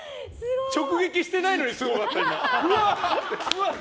直撃してないのにすごかった、今。